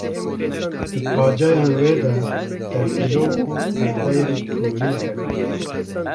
Di paceyên wê de derzîlok û perdeyên tûlî hebûn.